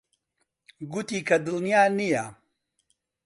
گوتی کە دڵنیا نییە.